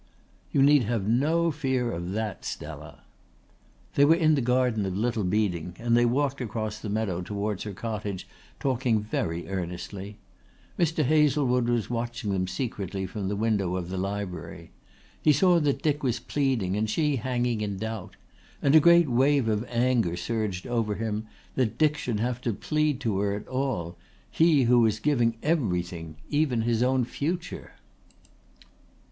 "You need have no fear of that, Stella." They were in the garden of Little Beeding and they walked across the meadow towards her cottage, talking very earnestly. Mr. Hazlewood was watching them secretly from the window of the library. He saw that Dick was pleading and she hanging in doubt; and a great wave of anger surged over him that Dick should have to plead to her at all, he who was giving everything even his own future.